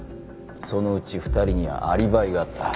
そのうち２人にアリバイがあった。